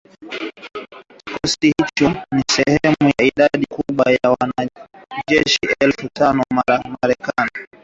Kikosi hicho ni sehemu ya idadi kubwa ya wanajeshi elfu tano wa Marekani waliotumwa Poland